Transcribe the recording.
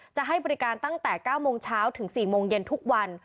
จะให้บริการตั้งแต่๙โมงเช้าถึง๔โมงเย็นทุกวัน